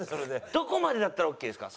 どこまでだったらオッケーですか？